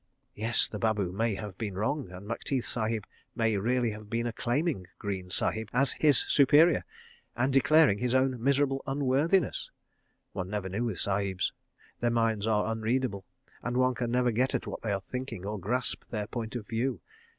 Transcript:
... Yes—the babu may have been wrong, and Macteith Sahib may really have been acclaiming Greene Sahib his superior, and declaring his own miserable unworthiness. ... One never knew with Sahibs. Their minds are unreadable, and one can never get at what they are thinking, or grasp their point of view.